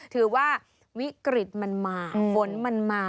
ถือว่าวิกฤตมันมาฝนมันมา